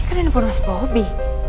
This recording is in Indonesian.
ini kan handphone mas bobi